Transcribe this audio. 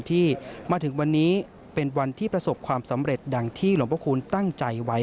ที่มาถึงวันนี้เป็นวันที่ประสบความสำเร็จดังที่หลวงพระคูณตั้งใจไว้